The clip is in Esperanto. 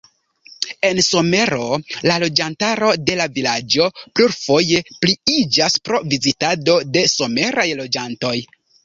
En somero la loĝantaro de la vilaĝo plurfoje pliiĝas pro vizitado de someraj loĝantoj.